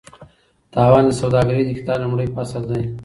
تاوان د سوداګرۍ د کتاب لومړی فصل دی.